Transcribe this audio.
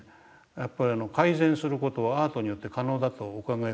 やっぱり改善する事はアートによって可能だとお考えですか？